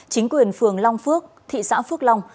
chính quyền phường long phước thị xã phước long